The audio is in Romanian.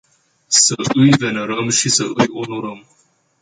Să îi venerăm și să îi onorăm.